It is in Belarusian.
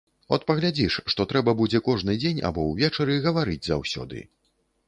От паглядзіш, што трэба будзе кожны дзень або ўвечары гаварыць заўсёды.